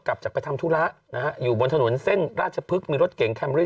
กลับจากไปทำธุระนะฮะอยู่บนถนนเส้นราชพฤกษ์มีรถเก่งแคมรี่